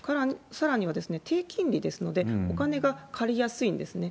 さらには、低金利ですので、お金が借りやすいんですね。